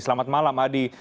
selamat malam adi